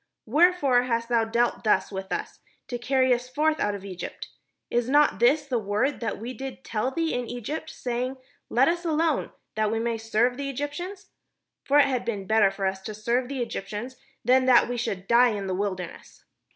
wherefore hast thou dealt thus with us, to carry us forth out of Egypt? Is not this the word that we did tell thee in Eg>^t, sa>'ing, 'Let us alone, that we may serve the Eg}^tians'? For it had been better for us to serve the Egyptians, than that we should die in the wilderness."